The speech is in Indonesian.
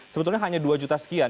sebetulnya hanya dua juta sekian